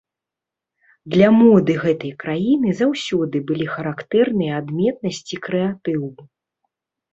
Для моды гэтай краіны заўсёды былі характэрныя адметнасць і крэатыў.